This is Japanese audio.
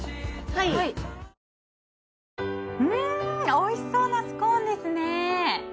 おいしそうなスコーンですね。